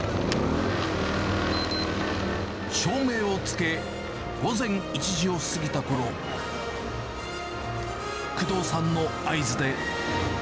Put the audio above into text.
照明をつけ、午前１時を過ぎたころ、工藤さんの合図で。